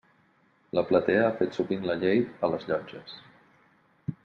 La platea ha fet sovint la llei a les llotges.